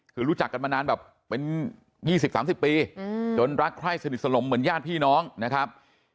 คือรู้จักกันมานานแบบเป็น๒๐๓๐ปีจนรักใคร่สนิทสลมเหมือนญาติพี่น้องนะครับ